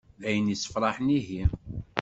D ayen issefṛaḥen ihi.